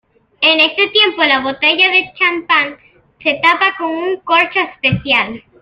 En este tiempo la botella de champán se tapa con un corcho especial.